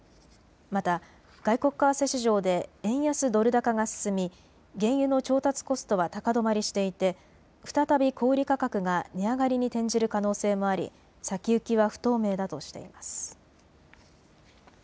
また、外国為替市場で円安ドル高が進み原油の調達コストは高止まりしていて再び小売価格が値上がりに転じる可能性もあり先行きは不透明だとしています。